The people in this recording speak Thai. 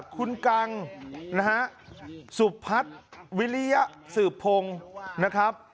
คุณกังสุบพัดวิริยะสืบพงศ์นะครับ